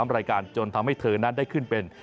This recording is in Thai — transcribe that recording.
รายการจนทำให้เธอนั้นได้ขึ้นเป็น